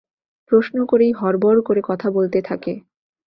প্রশ্ন করেই হড়বড় করে কথা বলতে থাকে।